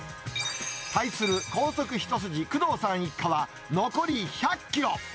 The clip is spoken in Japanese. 対する高速一筋、工藤さん一家は残り１００キロ。